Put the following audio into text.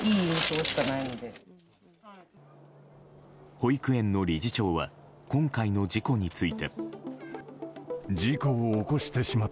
保育園の理事長は今回の事故について。